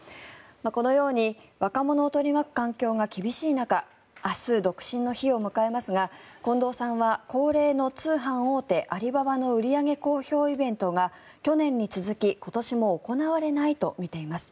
このように若者を取り巻く環境が厳しい中明日、独身の日を迎えますが近藤さんは恒例の通販大手アリババの売り上げ公表イベントが去年に続き今年も行われないと見ています。